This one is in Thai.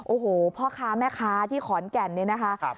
โอ้โหพ่อค้าแม่ค้าที่ขอนแก่นเนี่ยนะคะ